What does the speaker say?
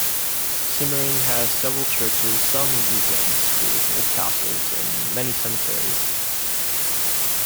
Simmering has several churches, some museums, schools, old castles, and many cemeteries.